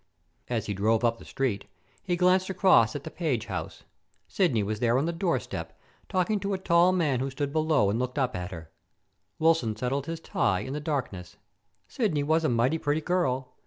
As he drove up the Street, he glanced across at the Page house. Sidney was there on the doorstep, talking to a tall man who stood below and looked up at her. Wilson settled his tie, in the darkness. Sidney was a mighty pretty girl.